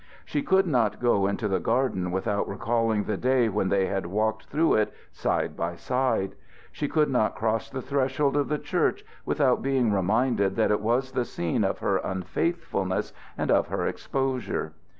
She could not go into the garden without recalling the day when they had walked through it side by side. She could not cross the threshold of the church without being reminded that it was the scene of her unfaithfulness and of her exposure.